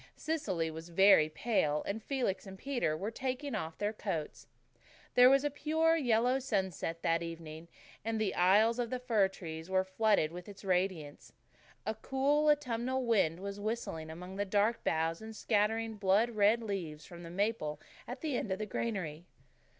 Cecily was very pale, and Felix and Peter were taking off their coats. There was a pure yellow sunset that evening, and the aisles of the fir wood were flooded with its radiance. A cool, autumnal wind was whistling among the dark boughs and scattering blood red leaves from the maple at the end of the granary.